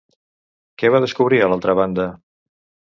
Què va descobrir a l'altra banda?